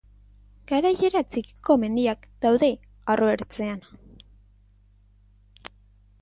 Garaiera txikiko mendiak daude arro ertzean.